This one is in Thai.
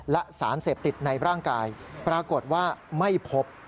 และสารเสพติดในร่างกายปรากฏว่าไม่พบ